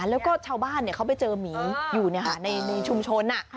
แล้วก็ชาวบ้านเขาไปเจอหมีอยู่ในชุมชน